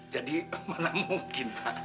jadi mana mungkin pak